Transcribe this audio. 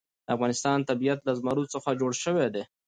د افغانستان طبیعت له زمرد څخه جوړ شوی دی.